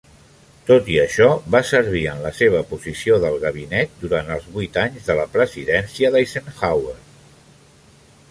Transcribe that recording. Tot i això, va servir en la seva posició del gabinet durant els vuit anys de la presidència d'Eisenhower.